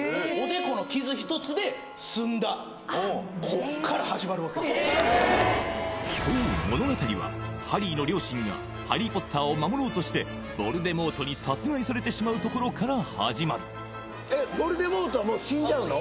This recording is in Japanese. こっから始まるわけですそう物語はハリーの両親がハリー・ポッターを守ろうとしてヴォルデモートに殺害されてしまうところから始まるえっヴォルデモートはもう死んじゃうの？